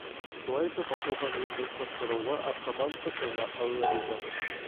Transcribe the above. Шулай итеп, «Атылған йондоҙ» тапшырыуы артабан циклға әүерелде».